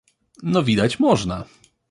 No widać można.